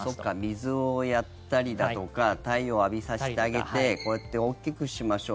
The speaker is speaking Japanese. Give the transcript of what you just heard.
水をやったりだとか太陽を浴びさせてあげてこうやって大きくしましょう。